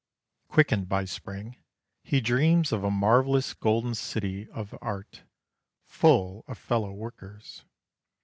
Quickened by spring, he dreams of a marvellous golden city of art, fall of fellow workers.